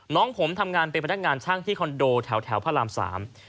น้องผมทำงานเป็นพนักงานช่างที่คอนโดแถวแถวพระรามสาม